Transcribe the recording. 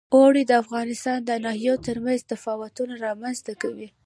اوړي د افغانستان د ناحیو ترمنځ تفاوتونه رامنځ ته کوي.